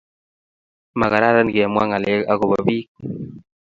Ma kararan kimwa ng'alek ako ba pik